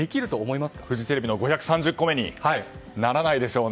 フジテレビの５３０個目に？ならないでしょうね。